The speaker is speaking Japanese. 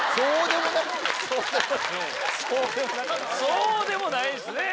そうでもないですね。